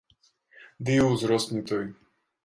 Ды і ўзрост не той.